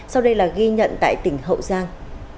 sau đây là ghi nhận tại tỉnh hậu giang